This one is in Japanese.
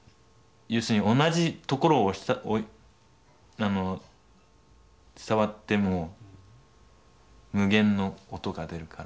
要するに同じところを触っても無限の音が出るから。